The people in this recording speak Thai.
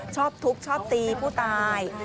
ชอบทุบชอบตีผู้ตาย